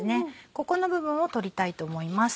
ここの部分を取りたいと思います。